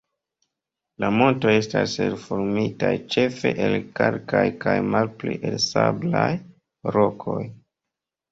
La montoj estas elformitaj ĉefe el kalkaj kaj malpli el sablaj rokoj.